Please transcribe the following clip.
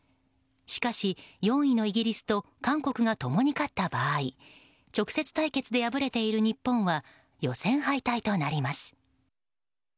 しかし、４位のイギリスと韓国が共に勝った場合直接対決で敗れている日本は予選敗退となります。